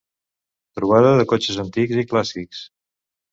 Trobada de cotxes antics i clàssics.